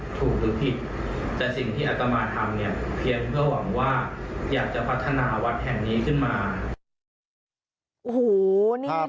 หรือผิดแต่สิ่งที่อัตมาทำเนี่ยเพียงเพื่อหวังว่าอยากจะพัฒนาวัดแห่งนี้ขึ้นมา